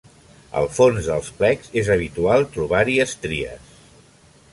Al fons dels plecs és habitual trobar-hi estries.